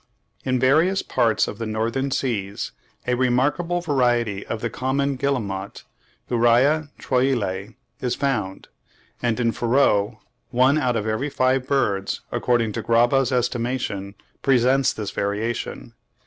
In various parts of the northern seas a remarkable variety of the common Guillemot (Uria troile) is found; and in Feroe, one out of every five birds, according to Graba's estimation, presents this variation.